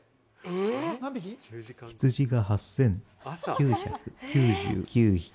羊が８９９９匹。